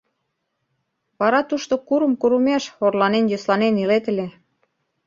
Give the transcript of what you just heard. Вара тушто курым-курымеш орланен-йӧсланен илет ыле.